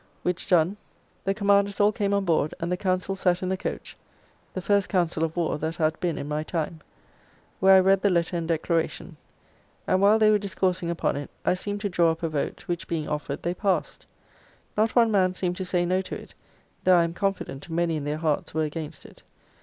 Which done, the Commanders all came on board, and the council sat in the coach (the first council of war that had been in my time), where I read the letter and declaration; and while they were discoursing upon it, I seemed to draw up a vote, which being offered, they passed. Not one man seemed to say no to it, though I am confident many in their hearts were against it.